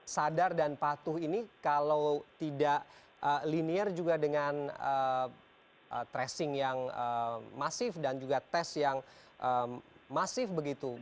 sadar dan patuh ini kalau tidak linier juga dengan tracing yang masif dan juga tes yang masif begitu